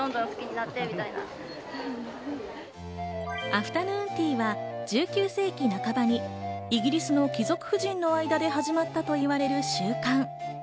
アフタヌーンティーは、１９世紀半ばにイギリスの貴族夫人の間で始まったといわれる習慣。